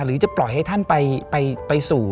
หรือจะปล่อยให้ท่านไปสู่